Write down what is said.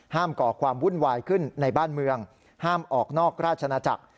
ก่อความวุ่นวายขึ้นในบ้านเมืองห้ามออกนอกราชนาจักร